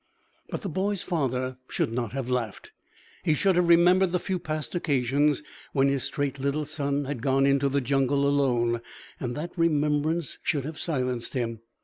But the boy's father should not have laughed. He should have remembered the few past occasions when his straight little son had gone into the jungle alone; and that remembrance should have silenced him.